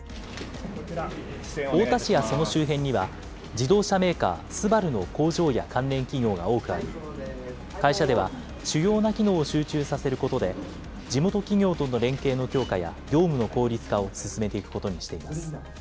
太田市やその周辺には、自動車メーカー、ＳＵＢＡＲＵの工場や関連企業が多くあり、会社では主要な機能を集中させることで、地元企業との連携の強化や業務の効率化を進めていくことにしています。